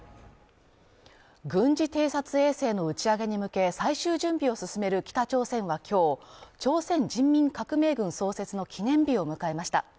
軍事偵察衛星の打ち上げに向け最終準備を進める北朝鮮は今日、朝鮮人民革命軍創設の記念日を迎えました。